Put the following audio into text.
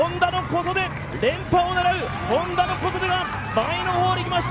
連覇を狙うＨｏｎｄａの小袖が前の方に来ました、